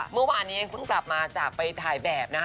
เมื่อวานนี้เองเพิ่งกลับมาจากไปถ่ายแบบนะคะ